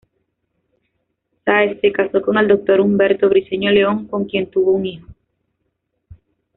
Sáez se casó con el Dr. Humberto Briceño León, con quien tuvo un hijo.